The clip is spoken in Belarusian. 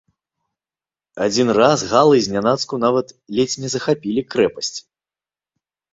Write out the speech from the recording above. Адзін раз галы знянацку нават ледзь не захапілі крэпасць.